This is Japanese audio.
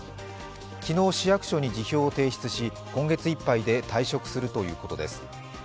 昨日、市役所に辞表を提出し、今月いっぱいで退職するということです。